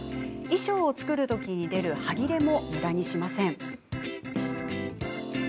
衣装を作る時に出るはぎれもむだにしません。